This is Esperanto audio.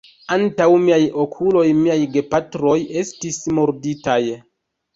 Antaŭ miaj okuloj miaj gepatroj estis murditaj.